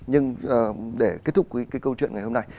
nhưng để kết thúc cái câu chuyện ngày hôm nay